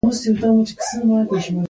سفر کول خطرناک وو.